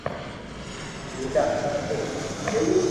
ديدا ھتا تو اووہ ھارو